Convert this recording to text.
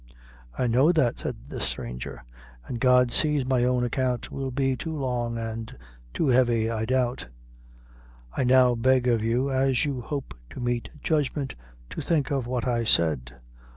"I know that," said the stranger; "and God sees my own account will be too long and too heavy, I doubt. I now beg of you, as you hope to meet judgment, to think of what I said.